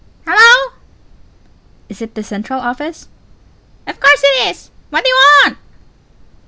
_ Hello! I. Is it the Central Office? C. O. Of course it is. What do you want?